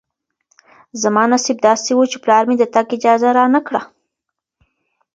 زما نصیب داسې و چې پلار مې د تګ اجازه رانه کړه.